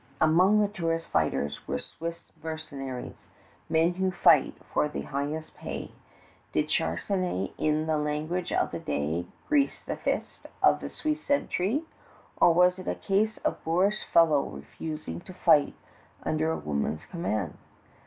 Among La Tour's fighters were Swiss mercenaries men who fight for the highest pay. Did Charnisay in the language of the day "grease the fist" of the Swiss sentry, or was it a case of a boorish fellow refusing to fight under a woman's command?